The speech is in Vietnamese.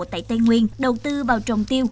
tại tây nguyên đầu tư vào trồng tiêu